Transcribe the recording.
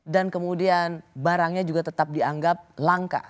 dan kemudian barangnya juga tetap dianggap langka